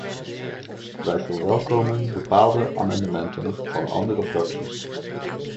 Wij verwelkomen bepaalde amendementen van andere fracties.